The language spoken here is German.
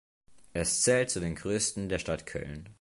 Es zählt zu den Größten der Stadt Köln.